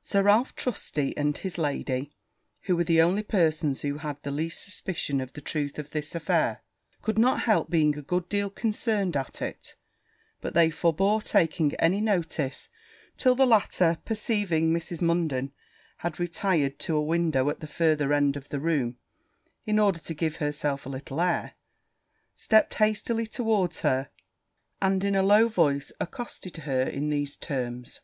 Sir Ralph Trusty and his lady, who were the only persons who had the least suspicion of the truth of this affair, could not help being a good deal concerned at it; but they forbore taking any notice, till the latter, perceiving Mrs. Munden had retired to a window at the farther end of the room, in order to give herself a little air, stept hastily towards her, and, in a low voice, accosted her in these terms.